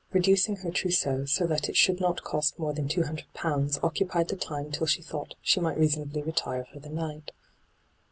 Keducing her trousseau so that it I should not cost more than X200 occupied the time till she thought she might reasonably retire for the night.